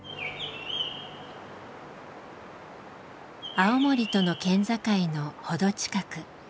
青森との県境の程近く。